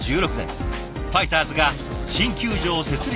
ファイターズが新球場設立構想を発表。